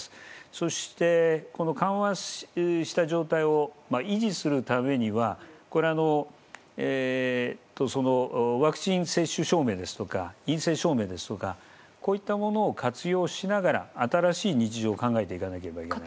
そして緩和した状態を維持するためにはこれはワクチン接種証明ですとか陰性証明ですとかこういったものを活用しながら新しい日常を考えていかなければいけない。